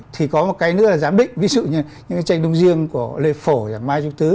thì có một cái nữa là giám định ví dụ như những cái tranh đông riêng của lê phổ mai trung tứ